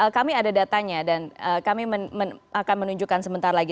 kami ada datanya dan kami akan menunjukkan sebentar lagi